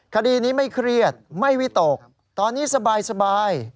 คดีนี้ไม่เครียดไม่วิตกตอนนี้สบาย